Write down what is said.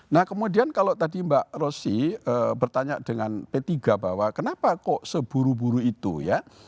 nah kemudian kalau tadi mbak rosy bertanya dengan p tiga bahwa kenapa kok seburu buru itu ya